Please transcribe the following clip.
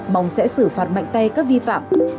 mong sẽ xử phạt mạnh tay các vi phạm